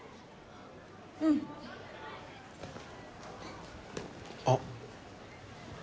うんあっ